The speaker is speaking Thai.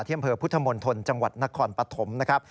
ที่อำเภอพุทธมนตร์ธนตร์จังหวัดนครปฐมนะครับ